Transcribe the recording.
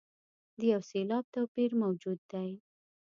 د یو سېلاب توپیر موجود دی.